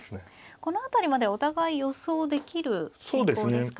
この辺りまでお互い予想できる進行ですか。